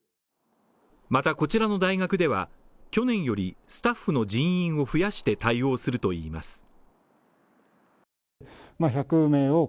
またこちらの大学では、去年よりスタッフの人員を増やして対応するといいます。